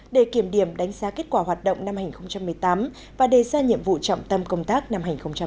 để kiểm điểm đánh giá kết quả hoạt động năm hai nghìn một mươi tám và đề ra nhiệm vụ trọng tâm công tác năm hai nghìn một mươi chín